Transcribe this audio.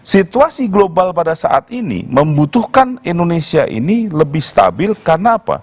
situasi global pada saat ini membutuhkan indonesia ini lebih stabil karena apa